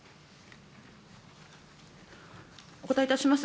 お答えいたします。